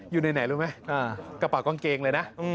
อยู่ในไหนรู้ไหมกระเป๋ากางเกงเลยนะ